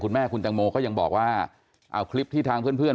คุณแม่คุณตังโมก็ยังบอกว่าเอาคลิปที่ทางเพื่อน